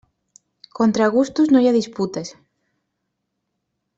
Contra gustos no hi ha disputes.